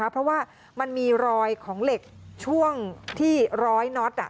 เพราะว่ามันมีรอยของเหล็กช่วงที่ร้อยน็อต